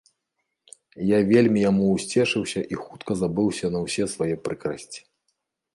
Я вельмі яму ўсцешыўся і хутка забыўся на ўсе свае прыкрасці.